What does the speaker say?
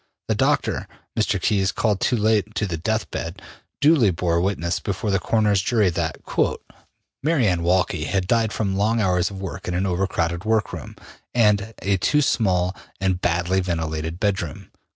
The doctor, Mr. Keys, called too late to the death bed, duly bore witness before the coroner's jury that ``Mary Anne Walkley had died from long hours of work in an over crowded workroom, and a too small and badly ventilated bedroom.''